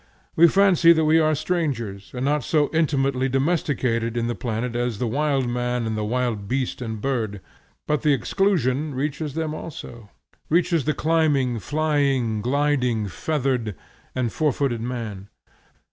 We fancy that we are strangers, and not so intimately domesticated in the planet as the wild man and the wild beast and bird. But the exclusion reaches them also; reaches the climbing, flying, gliding, feathered and four footed man.